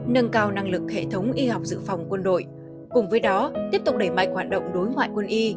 nâng cao năng lực hệ thống y học dự phòng quân đội cùng với đó tiếp tục đẩy mạnh hoạt động đối ngoại quân y